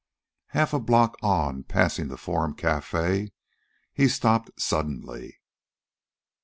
Half a block on, passing the Forum Cafe, he stopped suddenly.